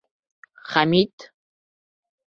Хәмит